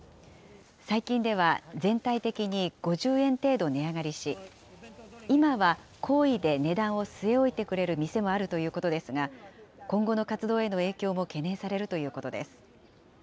最近では、全体的に５０円程度値上がりし、今は好意で値段を据え置いてくれる店もあるということですが、今後の活動への影響も懸念されるということです。